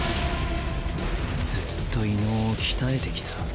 ずっと異能を鍛えてきた。